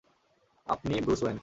আপনি Bruce when.